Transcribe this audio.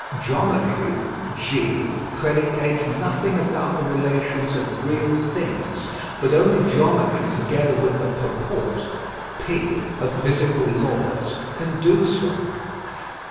Geometry (G) predicates nothing about the relations of real things, but only geometry together with the purport (P) of physical laws can do so.